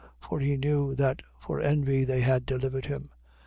27:18. For he knew that for envy they had delivered him.